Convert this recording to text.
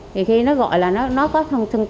thì khi nó gọi là nó có thân thân